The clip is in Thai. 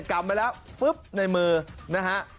กำไปแล้วฟึ๊บในมือนะฮะ